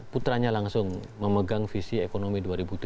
putranya langsung memegang visi ekonomi dua ribu tiga puluh